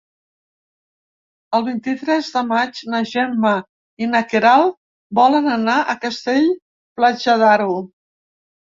El vint-i-tres de maig na Gemma i na Queralt volen anar a Castell-Platja d'Aro.